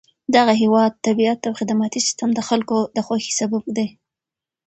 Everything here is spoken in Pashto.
دغه هېواد طبیعت او خدماتي سیستم د خلکو د خوښۍ سبب دی.